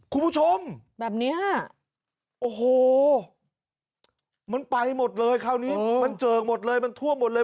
คุณผู้ชมแบบเนี้ยโอ้โหมันไปหมดเลยคราวนี้มันเจิกหมดเลยมันทั่วหมดเลย